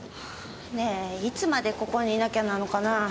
ねえいつまでここにいなきゃなのかな。